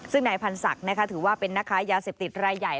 ซึ่งนายพันธ์ศักดิ์ถือว่าเป็นนักค้ายาเสพติดรายใหญ่